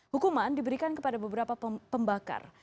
hukuman diberikan kepada beberapa pembakar